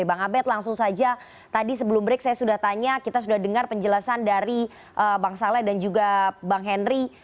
bang abed langsung saja tadi sebelum break saya sudah tanya kita sudah dengar penjelasan dari bang saleh dan juga bang henry